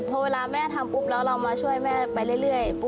พอเวลาแม่ทำปุ๊บแล้วเรามาช่วยแม่ไปเรื่อย